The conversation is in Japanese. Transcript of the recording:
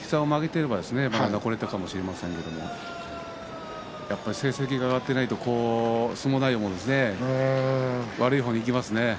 膝を曲げていれば、まだ残れたかもしれませんけれどもやっぱり成績が挙がっていないと相撲内容も悪い方にいきますね。